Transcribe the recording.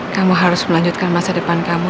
kamu harus melanjutkan masa depan kamu